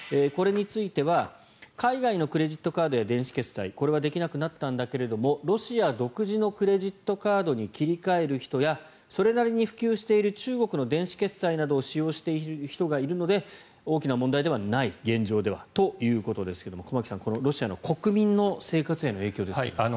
これについては海外のクレジットカードや電子決済これはできなくなったんだけどもロシア独自のクレジットカードに切り替える人やそれなりに普及している中国の電子決済などを使用している人がいるので現状では大きな問題ではないということですが駒木さん、このロシアの国民の生活への影響ですが。